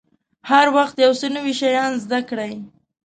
هر وخت یو څه نوي شیان زده کړئ.